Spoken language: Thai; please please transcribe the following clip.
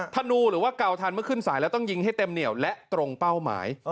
ธนูหรือว่าเกาทันเมื่อขึ้นสายแล้วต้องยิงให้เต็มเหนียวและตรงเป้าหมาย